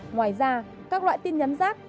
ngoài ra các loại tin nhắn rác